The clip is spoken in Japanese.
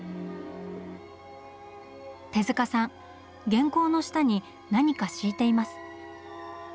手さん原稿の下に何か敷いています。